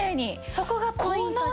そこがポイントで。